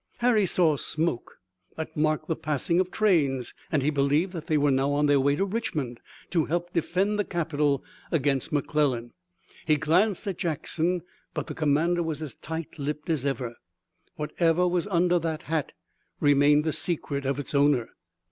Harry saw smoke that marked the passing of trains, and he believed that they were now on their way to Richmond to help defend the capital against McClellan. He glanced at Jackson, but the commander was as tight lipped as ever. Whatever was under that hat remained the secret of its owner.